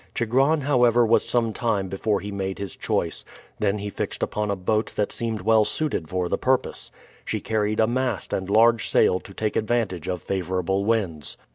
Chigron, however, was some time before he made his choice; then he fixed upon a boat that seemed well suited for the purpose. She carried a mast and large sail to take advantage of favorable winds.